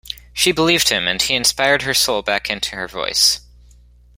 She believed him, and he inspired her soul back into her voice.